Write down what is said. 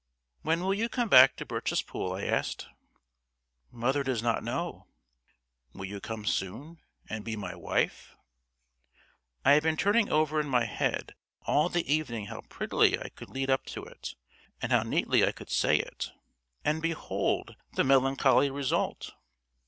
"When will you come back to Birchespool?" I asked. "Mother does not know." "Will you come soon, and be my wife?" I had been turning over in my head all the evening how prettily I could lead up to it, and how neatly I could say it and behold the melancholy result!